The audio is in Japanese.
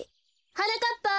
はなかっぱ！